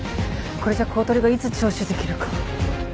これじゃ公取がいつ聴取できるか。